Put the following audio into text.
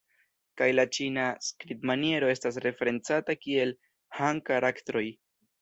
Kaj la Ĉina skribmaniero estas referencata kiel "Han karaktroj".